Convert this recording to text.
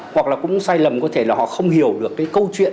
hoặc là cũng sai lầm có thể là họ không hiểu được cái câu chuyện